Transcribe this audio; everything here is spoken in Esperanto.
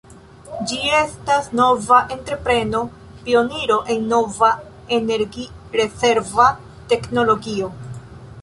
Ĝi estas nova entrepreno, pioniro en nova energi-rezerva teknologio.